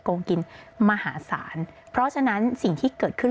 งกินมหาศาลเพราะฉะนั้นสิ่งที่เกิดขึ้น